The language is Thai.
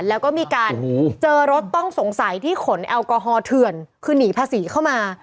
แล้วก็มีการเจอรถต้องสงสัยที่ขนแอลกอฮอลเถื่อนคือหนีภาษีเข้ามา